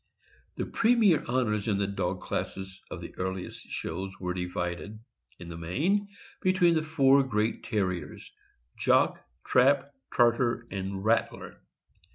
The premier honors in the dog classes of the earliest shows were divided, in the main, between four great Terriers —Jock, Trap, Tartar, and Rattler.